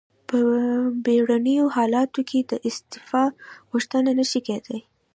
په بیړنیو حالاتو کې د استعفا غوښتنه نشي کیدای.